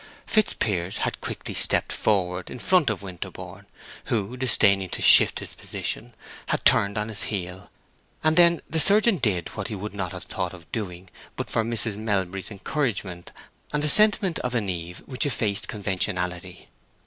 Fitzpiers had quickly stepped forward in front of Winterborne, who, disdaining to shift his position, had turned on his heel, and then the surgeon did what he would not have thought of doing but for Mrs. Melbury's encouragement and the sentiment of an eve which effaced conventionality.